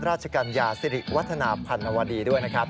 กัญญาสิริวัฒนาพันนวดีด้วยนะครับ